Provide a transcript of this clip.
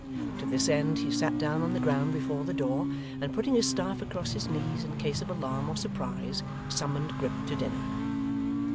To this end, he sat down on the ground before the door, and putting his staff across his knees in case of alarm or surprise, summoned Grip to dinner.